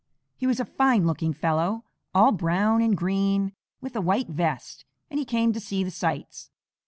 He was a fine looking fellow, all brown and green, with a white vest, and he came to see the sights.